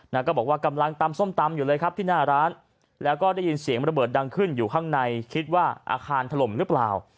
ก็บอกว่ากำลังตำส้มตำอยู่เลยครับที่หน้าร้านแล้วก็ได้ยินเสียงระเบิดดังขึ้นอยู่ข้างในคิดว่าอาคารถล่มหรือเปล่า